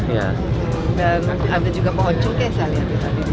dan ada juga pohon cengkeh saya lihat tadi